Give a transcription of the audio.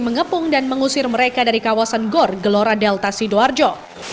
mengepung dan mengusir mereka dari kawasan gor gelora delta sidoarjo